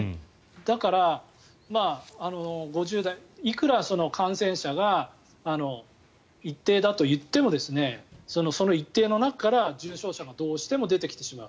だから、いくら感染者が一定だといってもその一定の中から重症者がどうしても出てきてしまう。